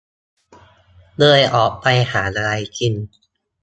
เลยออกไปหาอะไรกิน